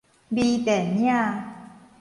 微電影